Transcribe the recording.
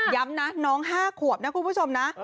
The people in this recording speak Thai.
ย้ำนะน้อง๕ขวบนะคุณผู้ชมนะ